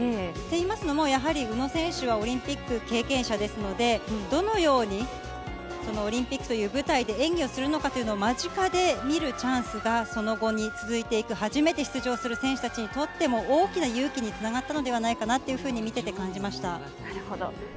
と言いますのも、やはり宇野選手は、オリンピック経験者ですので、どのようにオリンピックという舞台で、演技をするのかというのを間近で見るチャンスが、その後に続いていく、初めて出場する選手たちにとっても、大きな勇気につながったのではないかなというふうに、見てて感じなるほど。